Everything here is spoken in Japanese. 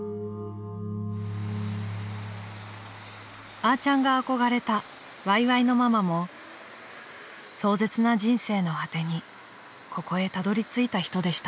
［あーちゃんが憧れたわいわいのママも壮絶な人生の果てにここへたどり着いた人でした］